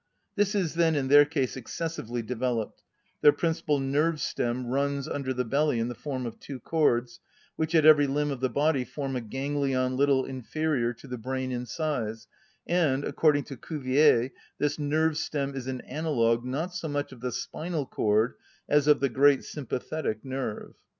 This is, then, in their case excessively developed; their principal nerve‐stem runs under the belly in the form of two cords, which at every limb of the body form a ganglion little inferior to the brain in size, and, according to Cuvier, this nerve‐stem is an analogue not so much of the spinal cord as of the great sympathetic nerve.